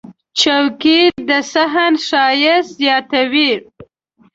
چوکۍ د صحن ښایست زیاتوي.